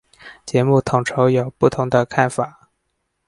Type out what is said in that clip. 节目统筹有不同的看法。